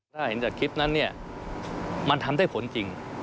ถ้าเห็นจากคลิปนั้นเนี่ยมันทำได้ผลจริง